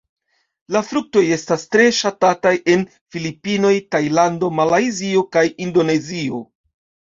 La fruktoj estas tre ŝatataj en Filipinoj, Tajlando, Malajzio kaj Indonezio.